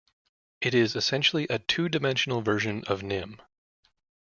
It is essentially a two-dimensional version of Nim.